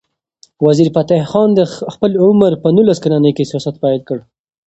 وزیرفتح خان د خپل عمر په نولس کلنۍ کې سیاست پیل کړ.